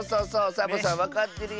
サボさんわかってるやん。